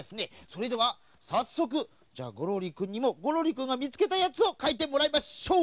それではさっそくゴロリくんにもゴロリくんがみつけたやつをかいてもらいましょう！